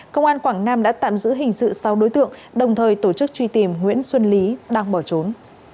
công an quảng nam đã tạm giữ hình sự sáu đối tượng đồng thời tổ chức truy tìm nguyễn xuân lý đang bỏ trốn